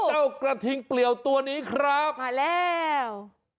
กระทิงเปลี่ยวตัวนี้ครับมาแล้ว